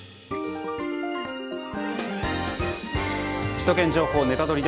「首都圏情報ネタドリ！」